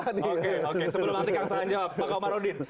sebelum nanti kang saan jawab pak omar udin